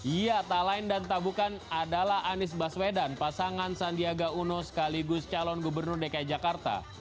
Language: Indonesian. iya tak lain dan tak bukan adalah anies baswedan pasangan sandiaga uno sekaligus calon gubernur dki jakarta